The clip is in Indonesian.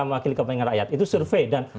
mewakili kepentingan rakyat itu survei dan